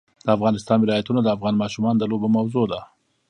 د افغانستان ولايتونه د افغان ماشومانو د لوبو موضوع ده.